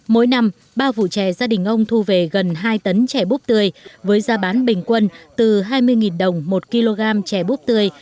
mỗi năm ba vụ trè gia đình ông thu về gần hai tấn trẻ búp tươi với giá bán bình quân từ hai mươi đồng một kg trẻ búp tươi